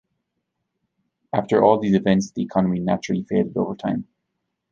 After all these events the economy naturally faded over time.